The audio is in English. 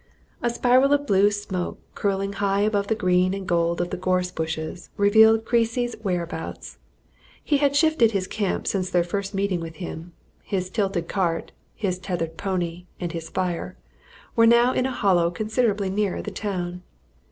A spiral of blue smoke, curling high above the green and gold of the gorse bushes, revealed Creasy's whereabouts. He had shifted his camp since their first meeting with him: his tilted cart, his tethered pony, and his fire, were now in a hollow considerably nearer the town.